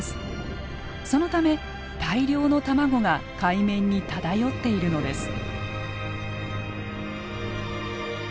そのため大量の卵が海面に漂っているのです。